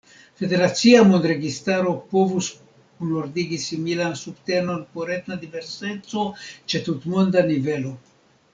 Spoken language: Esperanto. Federacia mondregistaro povus kunordigi similan subtenon por etna diverseco ĉe tutmonda nivelo.